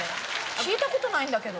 聞いたことないんだけど。